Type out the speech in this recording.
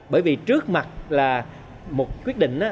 bởi vì trước mặt là một quyết định